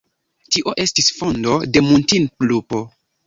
Tio estis fondo de Muntinlupo.